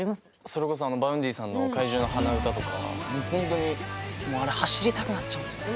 それこそあのＶａｕｎｄｙさんの「怪獣の花唄」とかもうほんとにもうあれ走りたくなっちゃうんですよね。